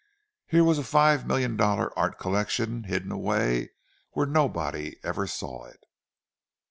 Here was a five million dollar art collection hidden away where nobody ever saw it!